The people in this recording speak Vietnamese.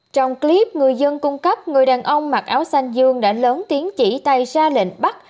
trong clip người dân cung cấp người đàn ông mặc áo xanh dương đã lớn tiến chỉ tay ra lệnh bắt